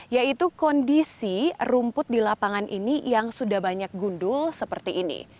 yaitu kondisi rumput di lapangan ini yang sudah banyak gundul seperti ini